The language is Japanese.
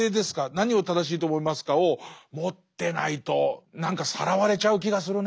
何を正しいと思いますか？」を持ってないと何かさらわれちゃう気がするね。